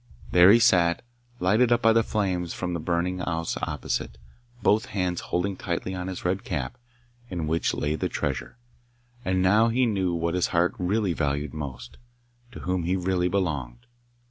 There he sat, lighted up by the flames from the burning house opposite, both hands holding tightly on his red cap, in which lay the treasure; and now he knew what his heart really valued most to whom he really belonged.